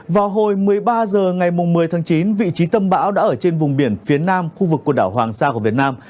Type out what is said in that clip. vào hồi một mươi ba h ngày một mươi tháng chín vị trí tâm bão đã ở trên vùng biển phía nam khu vực quần đảo hoàng sa của việt nam